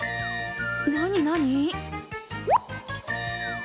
何、何？